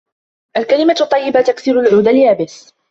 الكلمة الطيبة تكسر العود اليابس.